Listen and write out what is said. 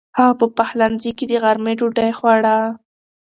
هغه په پخلنځي کې د غرمې ډوډۍ خوړه.